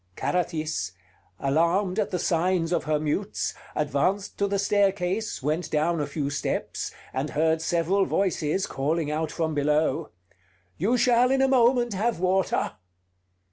Carathis, alarmed at the signs of her mutes, advanced to the staircase, went down a few steps, and heard several voices calling out from below: "You shall in a moment have water!"